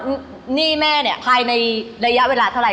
หนี้แม่ภายในระยะเวลาเท่าไหร่